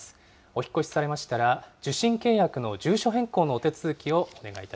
お引っ越しされましたら、受信契約の住所変更のお手続きをお願い